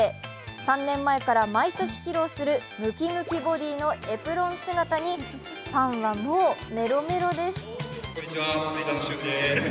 ３年前から毎年披露するムキムキボディーのエプロン姿にファンはもうメロメロです。